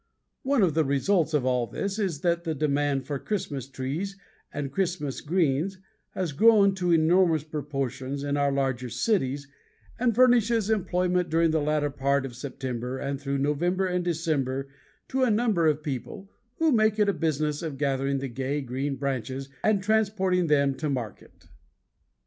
One of the results of all this is that the demand for Christmas trees and Christmas greens has grown to enormous proportions in our larger cities and furnishes employment during the latter part of September and through November and December to a number of people who make a business of gathering the gay green branches and transporting them to market.